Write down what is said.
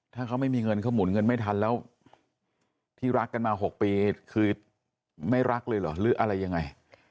ถ้าเขาไม่มีเงินเขาหมุนเงินไม่ทันแล้วที่รักกันมา๖ปีคือไม่รักเลยเหรอหรืออะไรยังไง